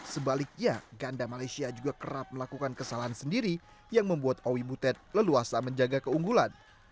sebaliknya ganda malaysia juga kerap melakukan kesalahan sendiri yang membuat owi butet leluasa menjaga keunggulan